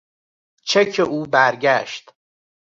چک او برگشت.